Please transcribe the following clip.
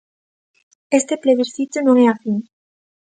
Este plebiscito non é a fin.